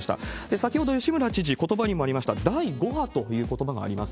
先ほど吉村知事、ことばにもありました、第５波ということばがあります。